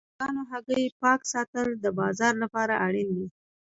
د چرګانو هګۍ پاک ساتل د بازار لپاره اړین دي.